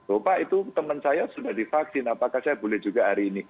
oh pak itu teman saya sudah divaksin apakah saya boleh juga hari ini